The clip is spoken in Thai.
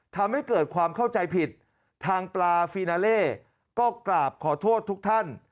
ทำให้เกิดความเข้าใจผิดทางปลาฟีนาเล่ก็กราบขอโทษทุกท่าน